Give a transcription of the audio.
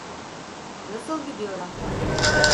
Nasıl gidiyor ahbap?